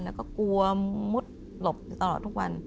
แล้วก็กลัวมุดหลบอยู่ตลอดทุกวัน